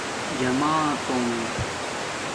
جماتونݣ